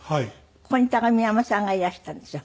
ここに高見山さんがいらしたんですよ。